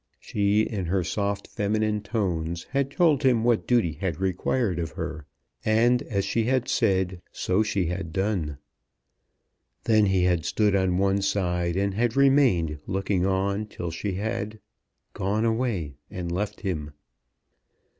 She, in her soft feminine tones, had told him what duty had required of her, and, as she had said so she had done. Then he had stood on one side, and had remained looking on, till she had gone away and left him.